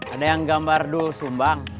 ada yang gambar dul sumbang